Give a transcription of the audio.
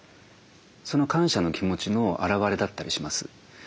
その感謝の気持ちの表れだったりします。